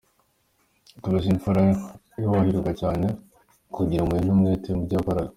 Tubuze imfura yubahirwaga cyane kugira impuhwe n’umwete mu byo yakoraga.